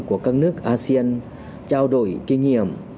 của các nước asean trao đổi kinh nghiệm